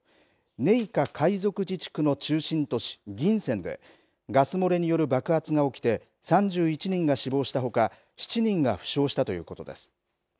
寧夏回族自治区の中心都市銀川でガス漏れによる爆発が起きて３１人が死亡したほか７人が負傷したということです。